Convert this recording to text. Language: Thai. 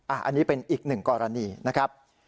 อันนี้เป็นอีกหนึ่งกรณีนะครับ